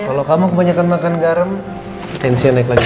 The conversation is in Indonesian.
kalau kamu kebanyakan makan garam potensi nya naik lagi